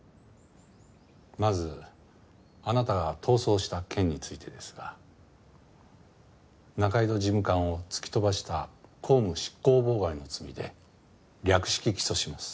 まずあなたが逃走した件についてですが仲井戸事務官を突き飛ばした公務執行妨害の罪で略式起訴します。